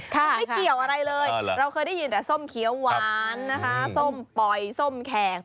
ไม่เกี่ยวอะไรเลยเราเคยได้ยินแต่ส้มเขียวหวานนะคะส้มปล่อยส้มแขก